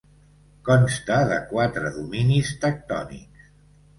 Consta de quatre dominis tectònics.